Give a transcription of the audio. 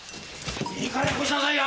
いいからよこしなさいよ。